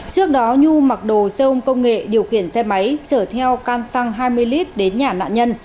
trước đó nhu mặc đồ xe ôm công nghệ điều khiển xe máy chở theo can xăng hai mươi lit đến nhà nạn nhân